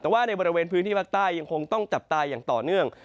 แต่ว่าในบริเวณพื้นที่ภาคใต้ยังคงต้องจับตาอย่างต่อเนื่อง